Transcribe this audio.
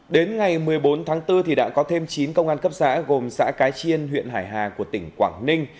đến ngày một mươi bốn tháng bốn thì đã có thêm chín công an cấp xã gồm xã cái chiên huyện hải hà của tỉnh quảng ninh